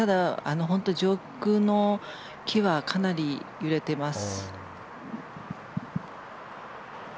本当に上空の木はかなり揺れてます。